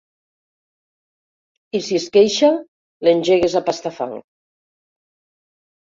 I si es queixa, l'engegues a pastar fang.